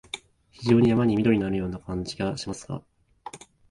非常に山に縁のあるような感じがしますが、